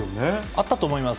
あったと思います。